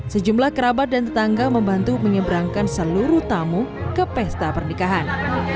sejumlah kerabat dan tetangga membantu menyeberangkan seluruh tamu ke pesta pernikahan